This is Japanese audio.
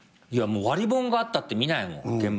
いやもう割本があったって見ないもん